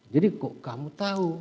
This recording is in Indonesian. jadi kok kamu tahu